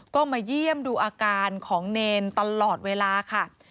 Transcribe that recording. ก็มาเยี่ยมดูอาการของเนรตลอดเวลาค่ะ